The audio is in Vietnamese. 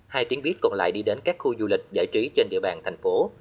hai tuyến buýt còn lại đi đến các khu du lịch giải trí trên địa bàn thành phố